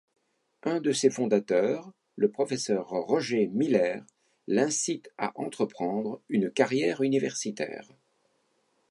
Un de ses fondateurs, le professeur Roger Miller, l'incite à entreprendre une carrière universitaire.